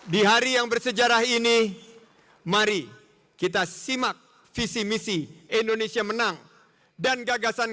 di hari yang bersejarah ini mari kita simak visi misi indonesia menang dan gagasan